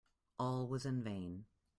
All was in vain.